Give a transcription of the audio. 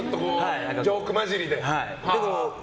ジョーク交じりでね。